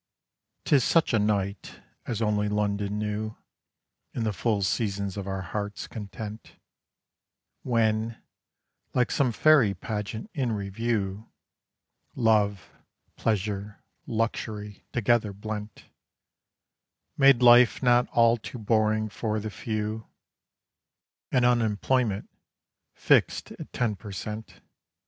'Tis such a night as only London knew In the full seasons of our heart's content When, like some fairy pageant in review, Love, Pleasure, Luxury together blent, Made life not all too boring for the Few; And Unemployment, fix't at ten per cent.